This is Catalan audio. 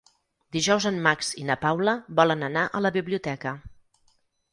Dijous en Max i na Paula volen anar a la biblioteca.